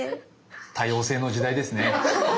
多様性の時代ですね。